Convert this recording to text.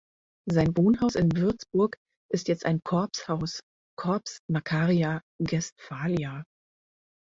Sein Wohnhaus in Würzburg ist jetzt ein Corpshaus (Corps Makaria Guestphalia).